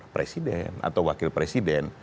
presiden atau wakil presiden